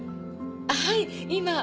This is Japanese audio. はい今。